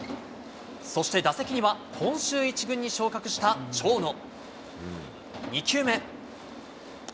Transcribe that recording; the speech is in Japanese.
そして打席には、今週１軍に昇格した長野。